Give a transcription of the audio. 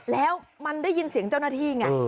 แล้วมันได้ยินเสียงเจ้าหน้าที่ไง